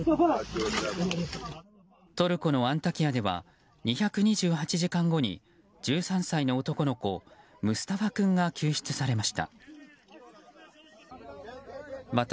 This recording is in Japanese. トルコのアンタキヤでは２２８時間後に１３歳の男の子、ムスタファ君が救出されました。